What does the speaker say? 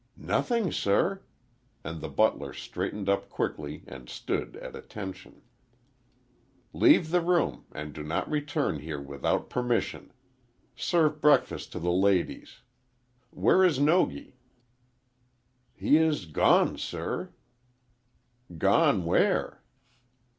"Nothing, sir," and the butler straightened up quickly and stood at attention. "Leave the room, and do not return here without permission. Serve breakfast to the ladies. Where is Nogi?" "He is gone, sir." "Gone where?"